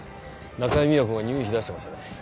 中井美和子が入院費出してましてね